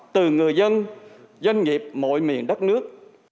từ người dân doanh nghiệp mọi miền đất nước